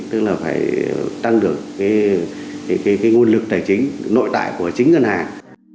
tức là phải tăng được cái nguồn lực tài chính nội tại của chính ngân hàng